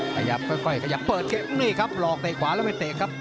ขยับค่อยขยับเปิดเกมนี่ครับหลอกเตะขวาแล้วไม่เตะครับ